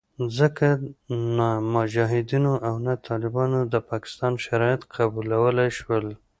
ځکه نه مجاهدینو او نه طالبانو د پاکستان شرایط قبلولې شول